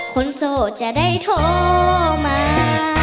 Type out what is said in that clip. โสดจะได้โทรมา